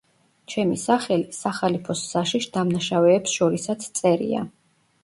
ჩემი სახელი სახალიფოს საშიშ დამნაშავეებს შორისაც წერია.